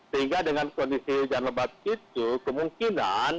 sehingga dengan kondisi hujan lebat itu kemungkinan